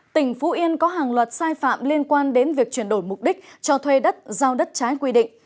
tỉnh phú yên có hàng loạt sai phạm liên quan đến việc chuyển đổi mục đích cho thuê đất giao đất trái quy định